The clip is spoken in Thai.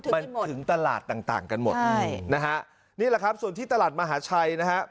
มันถึงตลาดต่างกันหมดนะฮะนี่แหละครับส่วนที่ตลาดมหาชัยนะฮะ